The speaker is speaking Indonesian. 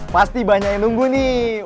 pasti banyak yang nunggu nih